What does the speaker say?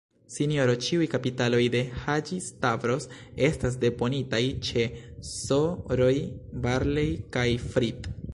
Sinjorino, ĉiuj kapitaloj de Haĝi-Stavros estas deponitaj ĉe S-roj Barlei kaj Fritt.